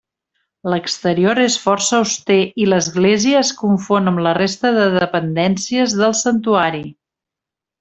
L'exterior és força auster i l'església es confon amb la resta dependències del santuari.